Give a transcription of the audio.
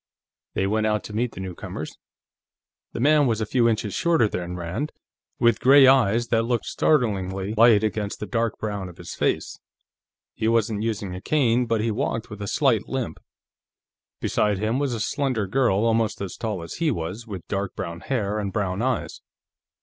They went out to meet the newcomers. The man was a few inches shorter than Rand, with gray eyes that looked startlingly light against the dark brown of his face. He wasn't using a cane, but he walked with a slight limp. Beside him was a slender girl, almost as tall as he was, with dark brown hair and brown eyes.